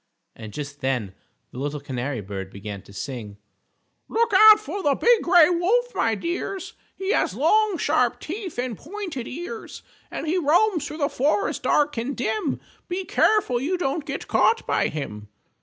And just then the little canary bird began to sing: [Illustration: LITTLE SIR CAT KILLS THE WOLF] "_Look out for the Big Gray Wolf, my dears. He has long sharp teeth and pointed ears, And he roams through the forest dark and dim. Be careful you don't get caught by him!